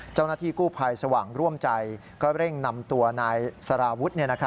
เจ้าหน้าที่กู้ภัยสว่างร่วมใจก็เร่งนำตัวนายสารวุฒิ